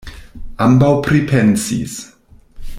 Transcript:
Ambaŭ pripensis.